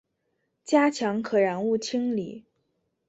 加强可燃物清理